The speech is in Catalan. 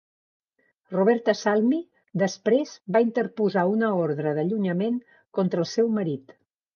Roberta Salmi després va interposar una ordre d'allunyament contra el seu marit.